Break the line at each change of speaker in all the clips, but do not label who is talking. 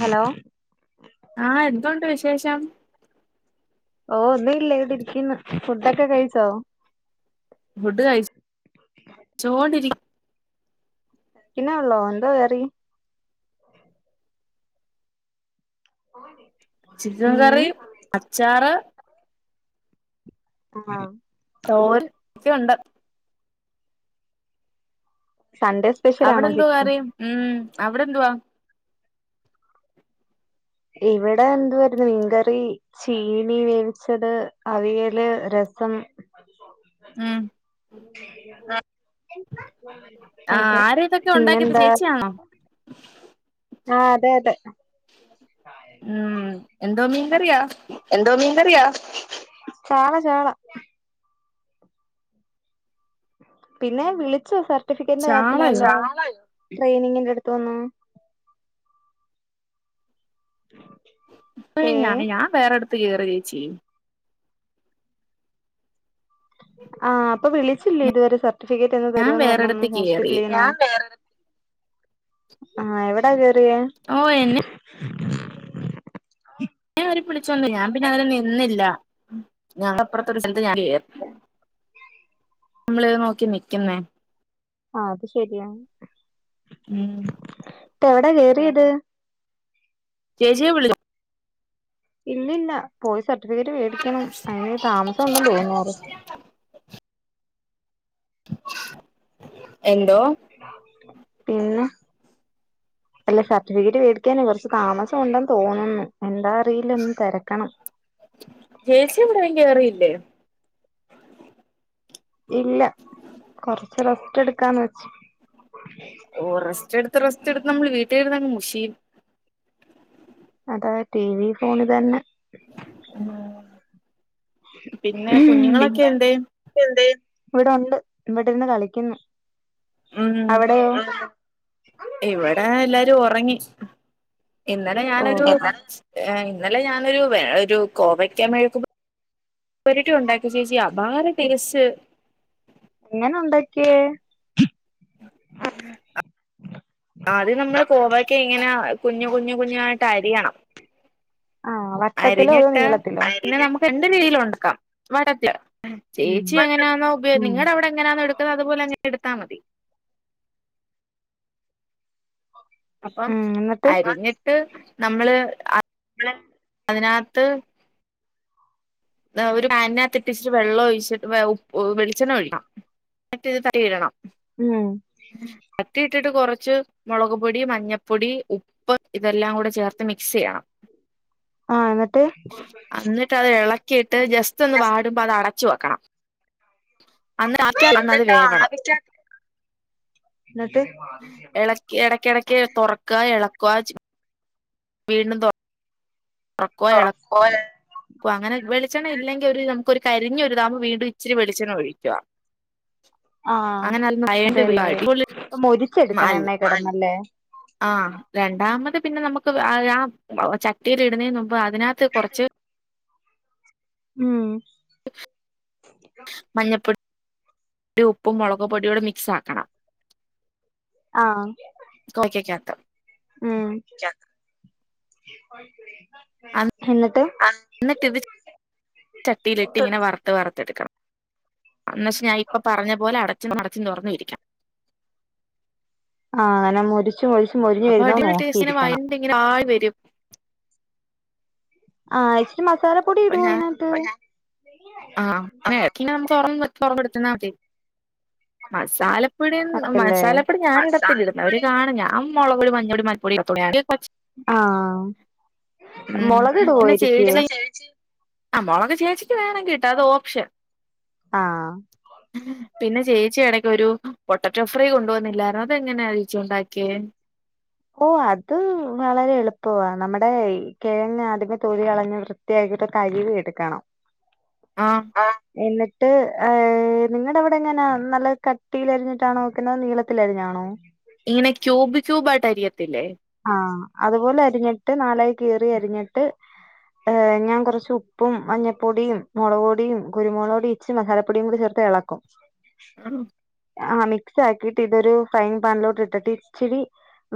Hello
ആഹ് എന്തോയുണ്ട് വിശേഷം
ഓഹ് ഒന്നും ഇല്ല ഇവിടെ ഇരിക്കുന്നു ഫുഡൊക്കെ കഴിച്ചോ
ഫുഡ് കഴിച്ചു ചോണ്ടിരിക്കുന്നു
യ്ക്കുന്നെ ഉള്ളോ എന്തോ കറി [inaudible]
ചിക്കൻ
ഉം
കറി അച്ചാറ്
ആഹ്
തോര് ഇപ്പുണ്ട്
സൺഡേ സ്പെഷ്യൽ ആണോ
അവിടെന്തുവ
ചിക്കൻ
കറി ഉം അവിടെന്തുവ
ഇവിടെ എന്തുവാരുന്നു മീൻകറി ചീനി വേവിച്ചത് അവിയല് രസം
ഉം
ആഹ്
ആഹ് ആരാ ഇതൊക്കെ ഉണ്ടാക്കിയത്
പിന്നെന്താ
ചേച്ചിയാണോ
ആഹ് അതെ അതെ
ഉം എന്തോ മീൻക്കറിയ
എന്തോ മീൻക്കറിയാ ചാള ചാള പിന്നെ വിളിച്ചോ സർട്ടിഫിക്കന്റെ കാര്യത്തിന്
ചാളയോ
വല്ലോ ട്രെയിനിങ്ങിന്റെ അടുത്തുന്ന്
ഇപ്പ
ഏ
ഞൻ ഞാൻ വേറെടുത്ത് കേറി ചേച്ചി
ആഹ് അപ്പൊ വിളിച്ചില്ലേ ഇതുവരെ സർട്ടിഫിക്കറ്റ് എന്ന്
ഞാൻ
തരുമന്ന്
വേറെടുത്ത്
പറഞ്ഞൊന്നും
കേറി
ഹോസ്പിറ്റലിന്ന് ആഹ് എവിടാ കേയറിയെ
ഓ എന്ന നേ അവര് വിളിച്ചൊന്നു ഞാൻ പിന്നെ അങ്ങനെ നിന്നില്ല ഞപ്പറത്തെ സ്ഥലത്ത് നമ്മളെ നോക്കി നിക്കുന്നേ
ആഹ് അത് ശെരിയാണ്
ഉം
ഇട്ട് എവിടാ കയറിയത്
ചേച്ചിയെ വിളിച്ചോ
ഇല്ലില്ല പോയി സർട്ടിഫിക്കറ്റ് മേടിക്കണം അതിന് താമസം ഉണ്ടെന്ന് തോന്ന
എന്തോ
പിന്നെ അല്ല സർട്ടിഫിക്കറ്റ് മേടിക്കാന് കുറച്ച് താമസം ഉണ്ടെന്ന് തോന്നുന്നു എന്താ അറിയില്ല ഒന്നും തെരക്കണം
ചേച്ചി എവിടെ കേറിയില്ലേ
ഇല്ല കൊറച്ച് റസ്റ്റ് എടുക്കാന്ന് വെച്ച്
ഓ റസ്റ്റ് എടുത്ത് റസ്റ്റ് എടുത്ത് നമ്മള് വീട്ടിയിരുന്നങ്ങ് മുഷീയും
അതാ ടി വി ഫോൺ തന്നെ
ഉം പിന്നെ
ഉം
കുഞ്ഞുങ്ങളൊക്കെ
പിന്നെ
എന്തേ
എന്തെ ഇവിടെണ്ട് ഇവിടെ ഇരുന്ന് കളിക്കുന്നു
ഉം
അവിടെയോ ഉം
ഇവിടെ എല്ലാരും ഉറങ്ങി ഇന്നലെ
ഓ
ഞാനൊരു
പറഞ്ഞോ
ഏഹ് ഇന്നലെ ഞാനൊരു ഒരു കോവയ്ക്ക മെയ്ക്കു പരിട്ടി ഉണ്ടാക്കിയ ചേച്ചി അപാര ടേസ്റ്റ്
എങ്ങനെ ഉണ്ടാക്കിയേ
ആദ്യം നമ്മള് കോവക്കെ ഇങ്ങനെ കുഞ്ഞു കുഞ്ഞു കുഞ്ഞു ആയിട്ട് അരിയണം
ആഹ് വട്ടത്തിലോ അതോ നീളത്തിലോ
രണ്ടു രീതിൽ ഉണ്ടക്കാം വട്ടത്തില്
ഉം
ചേച്ചി എങ്ങനാ ഉപ
ഉം
നിങ്ങടവിടെ എങ്ങനാണോ എടുക്കുന്നത് അപോലെ ന്നെ എടുത്തമതി അപ്പം
ഉം എന്നിട്ട്
അരിഞ്ഞിട്ട് നമ്മള് ആ
[unintelligible]
അതിനാത്ത് ഒരു പാനിനത്തിട്ട് ഇച്ചിരി വെള്ളം ഒഴിച്ചിട്ട വേ ഉപ് വെളിച്ചെണ്ണ ഒഴിക്കാം മറ്റ ഇത് തട്ടിടണം
ഉം
തട്ടി ഇട്ടിട്ട് കൊറച്ച് മുളക്പൊടി മഞ്ഞപ്പൊടി ഉ പ്പ് ഇതെല്ലാം കൂടെ ചേർത്ത് മിക്സെയ്യണം
ആ എന്നിട്ട്
അന്നിട്ട് അത് ഇള ക്കെട്ട് ജസ്റ്റ് ഒന്ന് വാടുമ്പോൾ അത് അടച്ചു വെക്കണം അ [unintelligible]
അന്നിട്ട് ആവിച്ചാ [unintelligible] എന്നിട്ട്
എടയ്ക്കെടയ്ക്ക് തൊറക്കാ എളക്കുവാ ചെയ് വീണ്ടും തുറക്കോ ഇളക്ക ഓ അങ്ങന വെളിച്ചെണ്ണ ഇല്ലെങ്കിൽ ഒരു നമുക്ക് ഒരു കരിഞ്ഞൊ ഒരുതാവുമ്പോ വീണ്ടും ഇചിരി വെളിച്ചെണ്ണ ഒഴിക്കുക
ആഹ
അങ്ങനെ അതൊന്ന് അയണ്ട്
അതെല്ലേ
അടിപൊളി
മൊരിച്ചെടുക്കണ എണ്ണേ കിടന്നല്ലേ
ആ രണ്ടാമത് പിന്നെ നമുക്ക് ആ ആ ചട്ടീൽ ഇടുന്നതിന് മുമ്പ് അതിനകത്ത് കുറച്ച്
ഉം
മഞ്ഞപ്പൊടി ഉപ്പും മുളക് പൊടിയും കൂടി മിക്സാക്കണം
ആഹ്
കോവയ്ക്കാകത്തോ
ഉം ച്ചാക്ക്
എന്നിട്ട് ഇത് ചട്ടിയിലിട്ട് ഇങ്ങനെ വറ ത്ത് വറത്തെടുക്കണം എന്നവച്ച് ഞാൻ ഇപ്പ പറഞ്ഞ പോലെ അടച്ചും അടച്ചു തുറന്ന് ഇരിക്കാം
ആഹ് അങ്ങനെ മൊരിച്ച് മൊരിച്ച് മൊരിഞ്ഞ് വരുന്ന നോക്കിയിരിക്കണം
അപ്പങ്ങനെ ആയി വരും
ആഹ് ഇച്ചിരി മസാല പൊടി
അപ്പൊ
ഇടു
ഞാൻ
ഈനാത്ത്
ആഹ് [unintelligible] മസാല പ്പടി
അതല്ലേ
മസാലപ്പൊടി ഞാനിടത്തില്ല ഇടുന്നവർ കാണും ഞാൻ മുളകൊടി മഞ്ഞൊടി മൽപ്പൊടി [unintelligible]
ആഹ
ഉം
മുളകിടുവോ യെരിക്ക്
ആ മുളക് ചേച്ചിക്ക് വേണങ്കി ഇട്ടോ അത് ഓപ്ഷൻ
ആഹ്
[unintelligible] പിന്നെ ചേച്ചി എടക്ക് ഒരു പൊട്ടറ്റോ ഫ്രൈ കൊണ്ടു വന്നില്ലാര്ന്നോ അതെങ്ങനെയാ യേച്ചി ഉണ്ടാക്കിയേ
ഓ അത് വളരെ എളുപ്പ വാ നമ്മുടെ കിഴങ്ങാ അതിലെ തൊലി കളഞ്ഞ് വൃത് ത്തിയാക്കീട്ട് കഴ്കി എടുക്കണം
ആ
എന്നിട്ട് ഏ നിങ്ങടെ അവിടെ എങ്ങനാ നല്ല കട്ടിലരിഞ്ഞിട്ടാണൊ വെക്കുന്നത് നീള ത്തിലരിഞ്ഞാണോ
ഇങ്ങനെ ക്യൂബ് ക്യൂബായിട്ട് അരി യത്തില്ലേ
ആഹ അതുപോലെ അരിഞ്ഞിട്ട് നാലായി കീറി അരിഞ്ഞിട്ട് ഏഹ് ഞാൻ കുറച്ച് ഉപ്പും മഞ്ഞപ്പൊടിയും മുളക് പൊടിയും കുരുമുളകൊടിം ച്ച് മസാല പൊടിയും കൂടി ചേർത്ത് എളക്കും
ങ്ം
ആഹ് മിക്സാക്കീട്ടിതൊരു ഫ്രൈയിങ് പാനിലോട്ടിട്ട് ഇച്ചിരി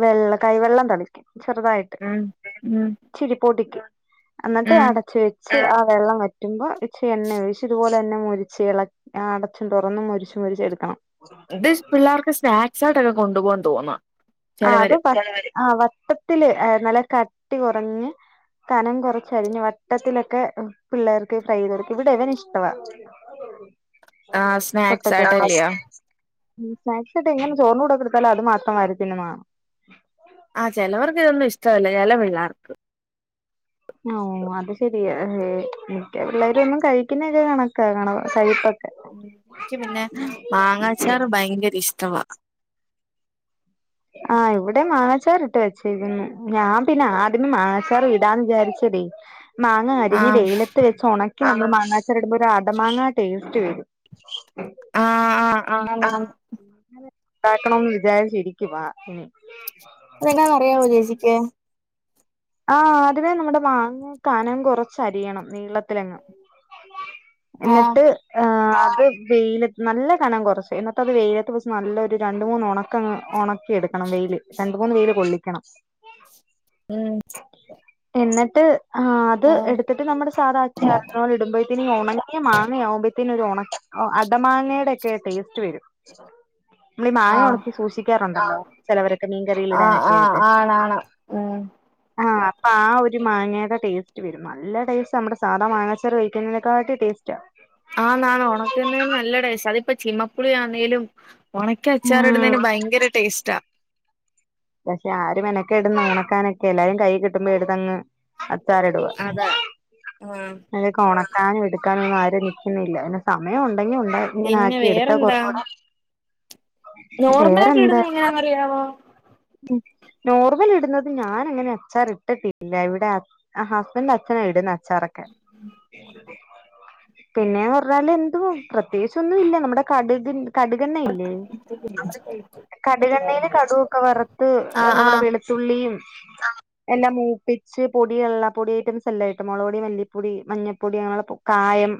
വെള്ള കൈവെള്ളം തളിക്ക ചെറ്തായിട്ട്
ഉം ഉം
ഇച്ചിരി പൊടിക്ക് എന്നട്ട് അടച്ച് വെച്ച് ആ വെള്ളം വറ്റുമ്പോ ച്ച് എണ്ണയൊഴിച്ച് ഇതുപോലെ തന്നെ മൊരിച്ച് എള ആഹ് അടച്ചും തൊറന്നും മൊരിച്ച് മൊരിച്ച് എടുക്കണം
ഇത് പിള്ളേർക്ക് സ്നാക്സ്സായിട്ടൊക്കെ കൊണ്ടുപോവും തോന്നാ
ആ അത്
ചെലവര്
വ ആ വട്ടത്തില് നല്ല കട്ടി കുറഞ്ഞ് കനം കുറച്ചരിഞ്ഞ് വട്ടത്തിലൊക്കെ പിള്ളേർക്ക് ഫ്രൈയ്തെട്ക്ക ഇവ്ടെ ഇവനിഷ്ടവാ
ആ സ്നാക്സ്
പൊട്ടാറ്റൊ ഫ്രൈ
ആയിട്ടല്ലയോ
ഉം [unintelligible] ഇങ്ങനെ ചോറിൻ്റെ കൂടെ കൊട്ത്താലും അത് മാത്രം വാരിത്തിന്നുന്ന കാണാ
ആഹ് ചെലവർക്കിതൊന്നും ഇഷ്ടവല്ല ചെല പിള്ളാർക്ക്
ആഹ് അത് ശരിയാ മിക്ക പിള്ളേരൊന്നും കഴിക്കുന്നൊക്കെ കണക്കാ കാണ സൈട
ഉം എനിക്ക് പിന്നെ മാങ്ങാച്ചാർ ഭയങ്കരിഷ്ടവാ
ആഹ് ഇവ്ടെ മാങ്ങച്ചാറിട്ട് വെച്ചേക്ക്ന്ന് ഞാൻ പിന്നെ ആദ്യമേ മാവിങ്ങച്ചാറ് ഇടാന്ന് വിചാരിച്ചതേ മാങ്ങ
ആ
അരിഞ്ഞ് വെയ്ലത്ത് വെച്ചൊണക്കി നമ്മൾ മാങ്ങാച്ചാറ്ടുമ്പോ ഒരട മാങ്ങ ടേസ്റ്റ് വരും [unintelligible]
ആഹ് ആഹ് അങ്ങെൻ നെ [unintelligible]
ണ്ടാക്കണം വിചാരിച്ചിരിക്കുവാ ഉം
അതെന്നാ ന്നറിയാവോ ചേച്ചിക്ക്
ആഹ് അതിന് നമ്മുടെ മാങ്ങ കനം കൊറച്ചരിയണം നീളത്തിലങ്ങ്
ആ
എന്നിട്ട് ആഹ് അത് വെയില നല്ല കനം കുറച്ച് എന്നിട്ടത് വെയിലത്ത് വച്ച് നല്ലരു രണ്ട്മൂന്നൊണക്കം ഒണ ക്കിയെട്ക്കണം വെയില് രണ്ട് മൂന്ന് വെയില് കൊള്ളിക്കണം
ഉം
എന്നട്ട് ആഹ് അത്
ഉം
എട്ത്തിട്ട് നമ്മുടെ സാധാ അച്ചാറ്‌ ഇട്മ്പോയത്തിന് ഈ ഒണങ്ങിയ മാങ്ങയാവുമ്പോത്തിന് ഒരൊണ അടമാങ്ങയുടൊക്കെ ടേസ്റ്റ് വരും നമ്മളി
ആ
മാങ്ങ ഒണക്കി സൂക്ഷിക്കാറ്ണ്ടല്ലോ ചെലവരൊക്കെ മീൻകറിയിയിലിടാനൊക്കെയായിട്ട്
വാണം ഉം
ആഹ് അപ്പാ ഒരു മാങ്ങേടെ ടേസ്റ്റ് വരും. നല്ല ടേസ്റ്റാ നമ്മുടെ സാധാ മാങ്ങാച്ചാർ കഴിക്കുന്നതിനെക്കാട്ടി ടേസ്റ്റാ
ആണാണ് ഒണക്കുന്നേന് നല്ല ടേസ്റ്റാ അതിപ്പൊ ചിമ്മപ്പുളിയാന്നേലും ഉണക്കി
ഉം
അച്ചാറിട്ന്നേന് ഭയ്ങ്കര ടേസ്റ്റാ
പക്ഷെ ആര് മെനക്കെട്ന്ന് ഉണക്കാനൊക്കെ എല്ലാരും കൈയ്യ് കിട്ട്മ്പോ എടുതങ്ങ് അച്ചാറിടുവാ
അതാ ആഹ്
അലേക്കൊണ ക്കാനും എടുക്കാാനൊന്നും ആരും നിക്കുന്നില്ല പിന്നെ സമയുണ്ടെങ്കി ഉണ്ടെ
പിന്നെ
ഇങ്ങനാക്കി എട്ത്താ
വേറെന്താ
കൊറച്ചൂടെ വേറെന്താ
കിയാവോ
ഉം നോർമല്‌ട്ന്നത് ഞാനങ്ങനെ അച്ചാറിട്ടിട്ടില്ല ഇവ്ടെ അ അഹ് ഹസ്ബൻൻ്റച്ഛനാ ഇടുന്നച്ചാറൊക്കെ എന്റെ തീരുമാനങ്ങളാണ് പിന്നേന്ന് പറഞ്ഞാല് എന്തുവാ പ്രത്യേകിച്ചൊന്നുല്ല നമ്മ്ടെ കട്ക്ണ്ട് കട്കെണ്ണയില്ലേ കട്കെണ്ണേല് കട് കൊക്കെ വറ്ത്ത്
ആഹ്
നമ്മടെ
ആഹ്
വെളി ത്തുള്ളിയും അഹ് എല്ലാം മൂപ്പിച്ച് പൊടിയെല്ലാ പ്പൊടിയയ്റ്റംസല്ലാ ഇട്ട് മൊളക്പൊടി മല്ലിപ്പൊടി മഞ്ഞപ്പൊടി അങ്ങനെ പൊ കായം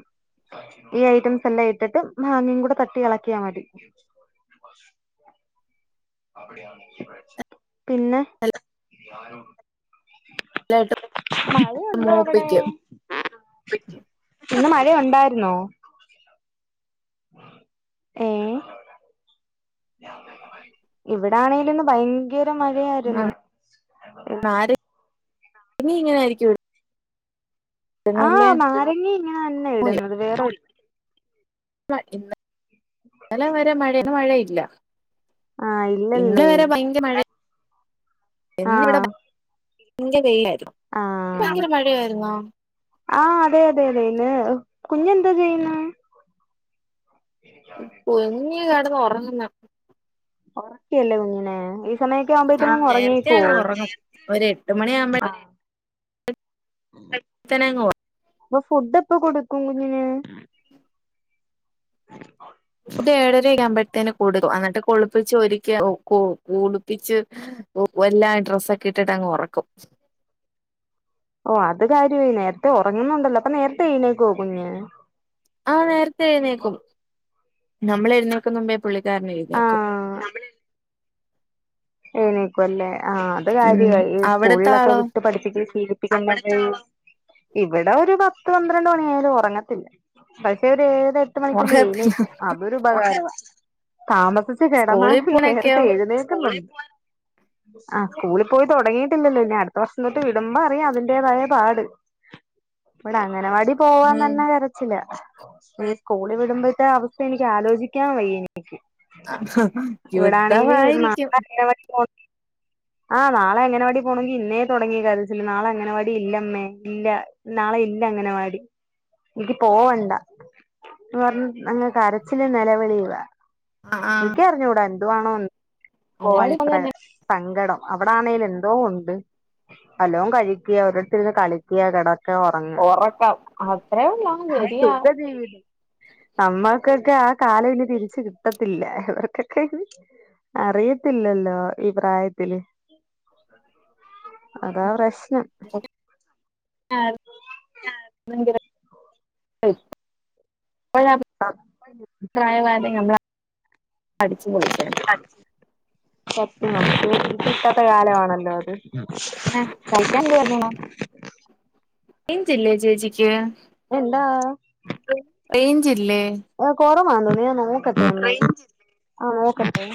ഈ ഐറ്റംസെല്ലാ ഇട്ടിട്ട് മാങ്ങിം കൂടെ തട്ടി ഇളക്കിയാ മതി പിന്നെ
നല്ലായിട്ട്
മഴയുണ്ടോ അവ്ടെ
മൂപ്പിക്കും
ഇന്നലെ മഴ ഒണ്ടാര്ന്നോ ഏഹ് ഇവിടാണെലിന്ന് ഭയങ്കര മഴയായിര്ന്ന്
ഇനി ഇങ്ങനെ ആരിക്കോ
ആഹ് നാരങ്ങി ങ്ങനെ തന്നെയാ ഇടുന്നത് വേറെ
ഇ ഇന്ന ന്നലെ വരെ മഴ ഇന്ന് മഴയില്ല
ആ
ഇന്നലെ
ഇല്ലല്ലേ
വരെ ഭയങ്കര മഴ [unintelligible] ആയി [unintelligible]
ആ
ഇന്നിവിടെ ഭയങ്കര വെയ്യായിരുന്നു
ആ
ഭയങ്കര മഴയായിരുന്നോ
ആഹ് അതെ അതെ അതെ ഇന്ന് കുഞ്ഞെന്താ ചെയ്യുന്നേ
കുഞ്ഞു കെടന്നൊറങ്ങുന്ന്
ഒറക്കിയല്ലേ കുഞ്ഞിനെ സമയൊക്കെ
ആഹ്
ആവുമ്പോത്തേനും
നേരത്തെ
ഉറങ്ങിയേക്കുവോ
അങ്ങ് ഒറങ്ങും ഒരു എട്ട് മണി
[unintelligible] ആഹ് [unintelligible]
ത്തനങ്ങോ
അപ്പൊ ഫുഡ് എപ്പൊ കൊടുക്കും കുഞ്ഞിന്
ഫുഡ് ഏഴരാ ക്കെ ആവുമ്പേതിന് കൊടുക്കും. എന്നിട്ട് കുളിപ്പിച്ച് ഒരുക്കി ഒ ക്ക കുളിപ്പിച്ച് വല്ലാ ഡ്രസ്സ ക്കെ ഇട്ടിട്ട് അങ് ഉറക്കും
ഓഹ് അത് കാര്യവായി നേരത്തെ ഉറങ്ങുന്നുണ്ടല്ലോ അപ്പൊ നേരത്തെ എഴുന്നേക്കോ കുഞ്ഞ്
ആഹ് നേരത്തെ എഴുന്നേക്കും നമ്മൾ എഴുന്നേക്കുന്ന മുമ്പേ പുള്ളിക്കാരന് എഴുന്നേക്കും
ആഹ് നമ്മളെയ് എണീക്കു അല്ലെ ആഹ് അത് കാര്യ
ഉം അവിടത്തെ
സ്കൂളിലൊക്കെ
ആളോ
വിട്ട് പഠിപ്പ ശീലപ്പിക്കുന്ന ഇവിടെ ഒര് പത്ത് പന്ത്രണ്ട് മണിയായാലും ഒറങ്ങത്തില്ല പക്ഷെ ഒരു ഏയര എ ട്ട് മണിക്കുള്ള
ഉറങ്ങത്തില്ല
എഴുനേക്കും ത് ഉബകാര താമസിച്ച കിടന്ന
സ്കൂളിൽ പോണൊക്കെയോ
നേരത്തെ എഴുന്നേക്കുന്നുണ്ട് ആ സ്കൂളിൽ പോയി തുടങ്ങിയിട്ടില്ലല്ലോ ഇന്ന അടുത്ത വർഷം തൊട്ട് വിടുമ്പോ അറിയാം അതിന്റേതായ പാട് ഇവിടെ അങ്ങനവാടി പോവാൻ
ഉം
നന്ന കരച്ചില്ല ഈ സ്കൂളിൽ വിടുമ്പോഴത്തെ അവസ്ഥ എനിക്ക് ആലോചിക്കാൻ വയ്യ ഇവിടാണെങ്കില്
യുദ്ധമായിരിക്കും
[unintelligible] ആഹ് നാളെ അഗനവാടി പോണെങ്കിൽ ഇന്നേ തുടങ്ങി കരച്ചിൽ നാളെ അങ്ങനവാടി ഇല്ലമ്മേ ഇല്ല നാളെ ഇല്ല അങ്ങനെ വാടി എനിക്ക് പോവണ്ട പറഞ്ഞ അങ്ങ കരച്ചില് നിലവിളിയവാ
ആ ആ
ഇക്ക അറിഞ്ഞൂടാ എന്തുവാേണോ? പോവാൻ
അങ്ങാടി
ഇത്ര
പോന്ന
സങ്കടം അവിടെ ആണെങ്കൽ എന്തോ ഉണ്ട് വല്ലവും കഴിക്കുക ഒരടുത്തിരുന്ന് കളിക്കുക കട- ഒക്കെ ഉറങ്ങ
ഉറക്കം അത്രേ ഉള്ളൂ ശരിയാ
സുഖ ജീവിതം നമ്മൾക്കൊക്കെ ആ കാലം തിരിച്ച് കിട്ടത്തില്ല ഇവർക്കൊക്കെ അറിയത്തില്ലല്ലോ ഈ പ്രായത്തില് അതാ പ്രശ്നം
[unintelligible]
[unintelligible]
[unintelligible] നമ്മൾ അടിച്ചു പൊളിചെ നി
സത്യവാ തിരിച്ചു കിട്ടാത്ത കാലാണല്ലോ അത്
[unintelligible] ചേച്ചിക്ക്
എന്താ
റേഞ്ച്ല്ലേ
ഏഹ് കൊറവാ നീ ഞാൻ നോക്കട്ടെ ആഹ് നോക്കട്ടെ